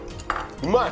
うまい！